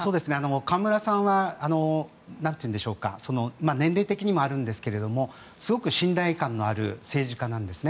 河村さんは年齢的にもあるんですがすごく信頼感のある政治家なんですね。